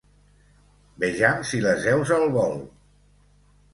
Vejam si les heus al vol!